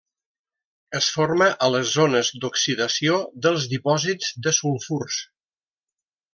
Es forma a les zones d'oxidació dels dipòsits de sulfurs.